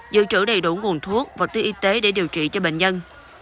giữ trữ đầy đủ nguồn thuốc và tiết y tế để điều trị cho bệnh nhân